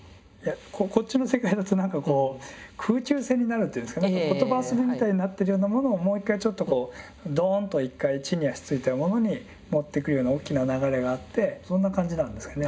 こっちの世界だと何かこう空中戦になるっていうんですか言葉遊びみたいになってるようなものをもう一回ちょっとこうドーンと一回地に足ついたものに持ってくような大きな流れがあってそんな感じなんですかね。